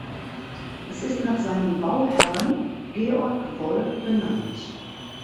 Es ist nach seinem Bauherren Georg Woll benannt.